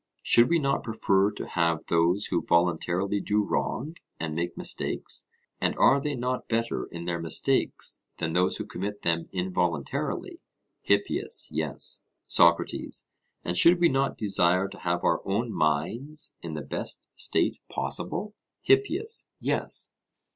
Should we not prefer to have those who voluntarily do wrong and make mistakes, and are they not better in their mistakes than those who commit them involuntarily? HIPPIAS: Yes. SOCRATES: And should we not desire to have our own minds in the best state possible? HIPPIAS: Yes.